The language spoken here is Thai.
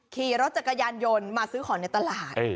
ขี่รถจักรยานยนต์มาซื้อของในตลาด